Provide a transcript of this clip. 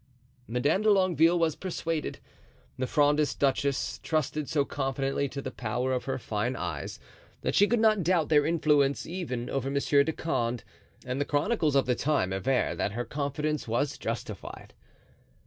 Madame de Longueville was persuaded. This Frondist duchess trusted so confidently to the power of her fine eyes, that she could not doubt their influence even over Monsieur de Condé; and the chronicles of the time aver that her confidence was justified.